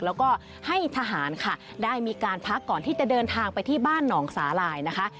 แล้วก็ให้ทหารค่ะได้มีการพักก่อนที่จะเดินทางไปที่บ้านหนองสาหร่ายนะคะ